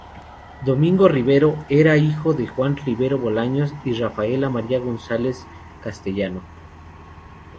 Domingo Rivero era hijo de Juan Rivero Bolaños y Rafaela María González Castellano.